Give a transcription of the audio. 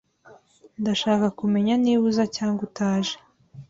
Ndashaka kumenya niba uza cyangwa utaje.